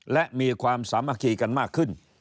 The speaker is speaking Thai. และมีความสามัคคีกันมากขึ้น